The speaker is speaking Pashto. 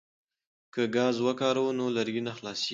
که ګاز وکاروو نو لرګي نه خلاصیږي.